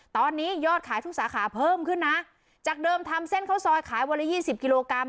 ตอนนี้ยอดขายทุกสาขาเพิ่มขึ้นนะจากเดิมทำเส้นข้าวซอยขายวันละยี่สิบกิโลกรัม